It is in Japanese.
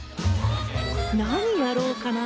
何やろうかな。